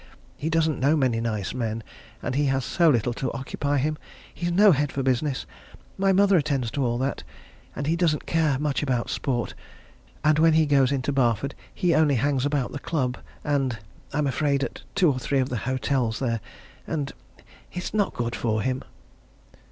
He doesn't know many nice men. And he has so little to occupy him. He's no head for business my mother attends to all that and he doesn't care much about sport and when he goes into Barford he only hangs about the club, and, I'm afraid, at two or three of the hotels there, and it's not good for him."